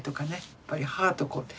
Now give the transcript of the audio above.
やっぱり母と子。